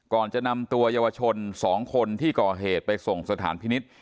ก่อนจะนำตัวเยาวชน๒คนที่ก่อเหตุไปส่งสถานพินิษฐ์